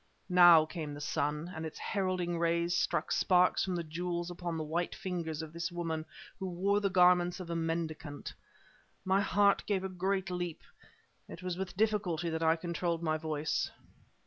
Now came the sun, and its heralding rays struck sparks from the jewels upon the white fingers of this woman who wore the garments of a mendicant. My heart gave a great leap. It was with difficulty that I controlled my voice.